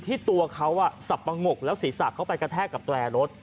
ที่ตัวเขาสับปะงกแล้วศีรษะเขาไปกระแทกกับแตรรถ